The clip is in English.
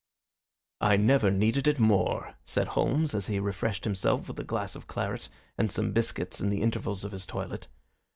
"I never needed it more," said Holmes as he refreshed himself with a glass of claret and some biscuits in the intervals of his toilet.